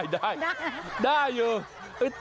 ได้ได้อยู่น่ารัก